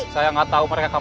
saya nggak tahu mereka